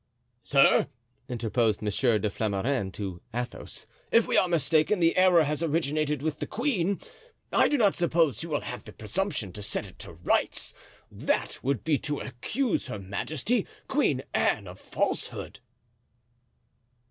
"Sir," interposed Monsieur de Flamarens to Athos, "if we are mistaken the error has originated with the queen. I do not suppose you will have the presumption to set it to rights—that would be to accuse Her Majesty, Queen Anne, of falsehood."